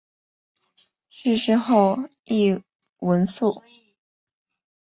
逝世后谥文肃。